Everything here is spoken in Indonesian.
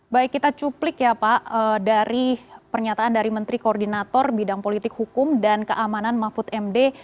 baik kita cuplik ya pak dari pernyataan dari menteri koordinator bidang politik hukum dan keamanan mahfud md